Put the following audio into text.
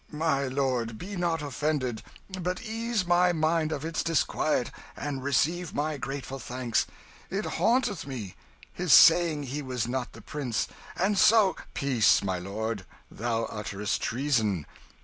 My lord, be not offended, but ease my mind of its disquiet and receive my grateful thanks. It haunteth me, his saying he was not the prince, and so " "Peace, my lord, thou utterest treason!